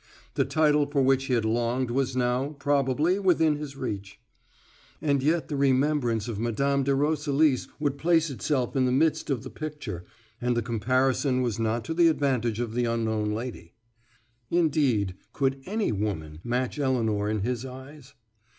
The title for which he had longed was now, probably, within his reach. And yet the remembrance of Mme. de Roselis would place itself in the midst of the picture, and the comparison was not to the advantage of the Unknown Lady. Indeed, could any woman match Elinor in his eyes?